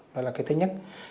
đó là cái thứ nhất